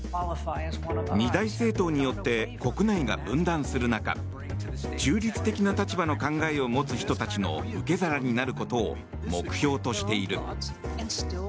二大政党によって国内が分断する中中立的な立場の考えを持つ人たちの受け皿になることを目標としている。